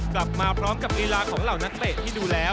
กลับมาพร้อมกับลีลาของเหล่านักเตะที่ดูแล้ว